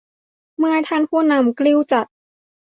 เมื่อท่านผู้นำกริ้วจัด